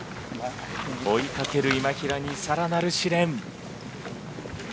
追いかける今平にさらなる試練。